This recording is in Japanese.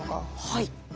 はい。